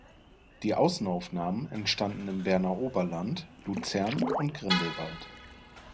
Die Außenaufnahmen entstanden im Berner Oberland, Luzern und Grindelwald.